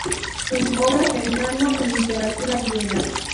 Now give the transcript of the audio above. En obra, centrando en literatura griega.